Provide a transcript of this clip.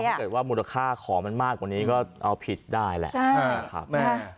ถ้าเกิดว่ามูลค่าของมันมากกว่านี้ก็เอาผิดได้แหละนะครับ